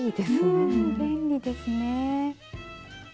うん便利ですね。